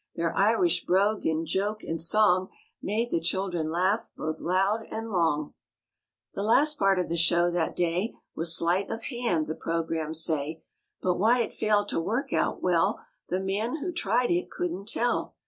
Their Irish brogue in joke and song Made the children laugh both loud and long MORE ABOUT THE ROOSEVELT BEARS W? 46 The last part of the show that day Was sleight of hand, the programs say, But why it failed to work out well The man who tried it couldn't tell.